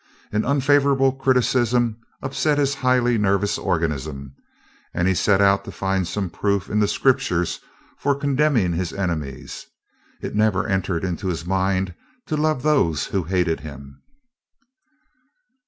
An unfavorable criticism upset his highly nervous organism, and he set out to find some proof in the Scriptures for condemning his enemies. It never entered into his mind to love those who hated him.